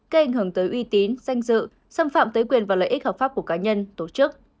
gây ảnh hưởng tới uy tín danh dự xâm phạm tới quyền và lợi ích hợp pháp của cá nhân tổ chức